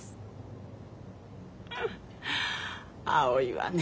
青いわね。